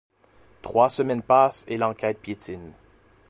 Trois semaines passent et l'enquête piétine.